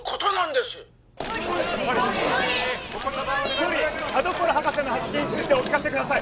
総理田所博士の発言についてお聞かせください